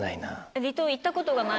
離島行ったことがない。